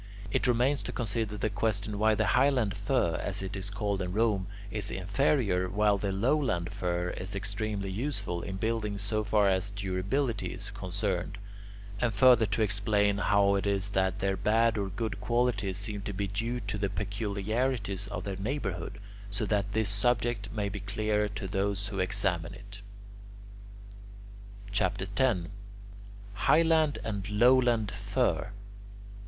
It remains to consider the question why the highland fir, as it is called in Rome, is inferior, while the lowland fir is extremely useful in buildings so far as durability is concerned; and further to explain how it is that their bad or good qualities seem to be due to the peculiarities of their neighbourhood, so that this subject may be clearer to those who examine it. CHAPTER X HIGHLAND AND LOWLAND FIR 1.